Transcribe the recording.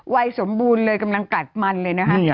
วัยสมบูรณ์เลยกำลังกัดมันเลยนะคะ